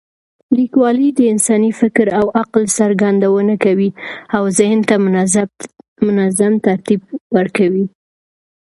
لیکوالی د انساني فکر او عقل څرګندونه کوي او ذهن ته منظم ترتیب ورکوي.